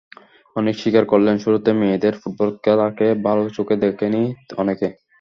অনেকে স্বীকার করলেন, শুরুতে মেয়েদের ফুটবল খেলাকে ভালো চোখে দেখেনি অনেকে।